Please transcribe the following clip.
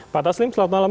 pak taslim selamat malam